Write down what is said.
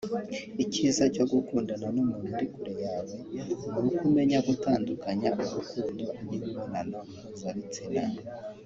Icyiza cyo gukundana n’umuntu uri kure yawe nuko umenya gutandukanya urukundo n’imibonano mpuzabitsina